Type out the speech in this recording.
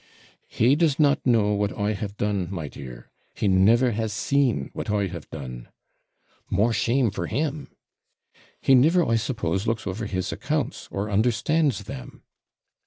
'He does not know what I have done, my dear. He never has seen what I have done.' 'More shame for him!' 'He never, I suppose, looks over his accounts, or understands them.'